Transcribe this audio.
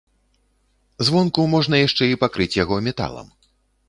Звонку можна яшчэ і пакрыць яго металам.